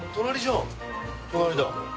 隣だ。